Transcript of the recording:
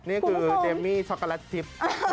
นี่คือเดมมี่ช็อกโกแลตทิพย์